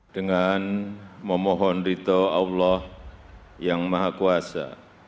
dengan memohon rito allah yang maha kuasa